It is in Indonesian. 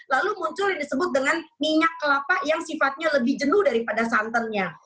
lalu muncul yang disebut dengan minyak kelapa yang sifatnya lebih jenuh daripada santannya